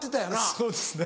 そうですね。